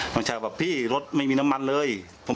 น้องชายบอกพี่รถไม่มีน้ำมันเลย